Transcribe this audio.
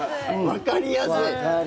わかりやすい。